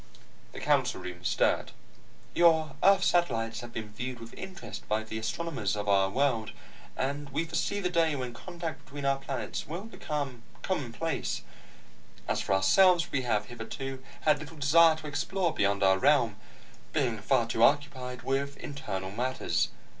The council room stirred. "Your earth satellites have been viewed with interest by the astronomers of our world, and we foresee the day when contact between our planets will be commonplace. As for ourselves, we have hitherto had little desire to explore beyond our realm, being far too occupied with internal matters.